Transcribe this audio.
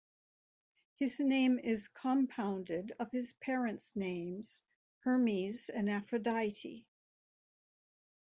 His name is compounded of his parents' names, Hermes and Aphrodite.